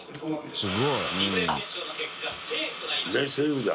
すごいな。